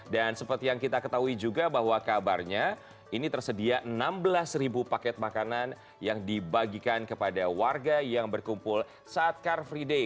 dan seperti yang kita ketahui juga bahwa kabarnya ini tersedia enam belas paket makanan yang dibagikan kepada warga yang berkumpul saat car free day